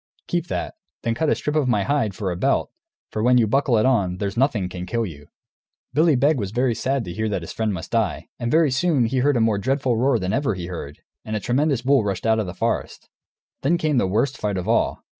Keep that; then cut a strip of my hide, for a belt, for when you buckle it on, there's nothing can kill you." Billy Beg was very sad to hear that his friend must die. And very soon he heard a more dreadful roar than ever he heard, and a tremendous bull rushed out of the forest. Then came the worst fight of all.